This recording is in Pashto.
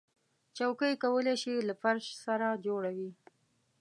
چوکۍ کولی شي له فرش سره جوړه وي.